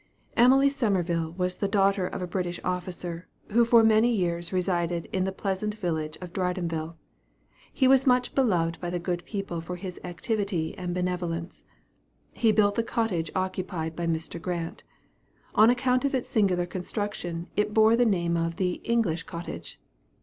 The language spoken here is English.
Emily Summerville was the daughter of a British officer, who for many years resided in the pleasant village of Dridonville. He was much beloved by the good people for his activity and benevolence. He built the cottage occupied by Mr. Grant. On account of its singular construction, it bore the name of the "English cottage."